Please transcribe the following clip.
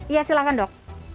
ya silakan dok